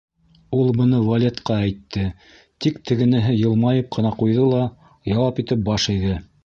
Ул быны Валетҡа әйтте, тик тегенеһе йылмайып ҡына ҡуйҙы ла, яуап итеп баш эйҙе.